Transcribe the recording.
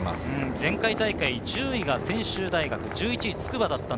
前回大会、順位は専修大学、１１位は筑波でした。